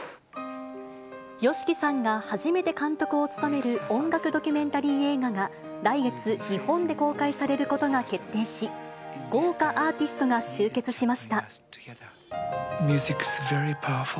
ＹＯＳＨＩＫＩさんが初めて監督を務める音楽ドキュメンタリー映画が、来月、日本で公開されることが決定し、豪華アーティストが集結しました。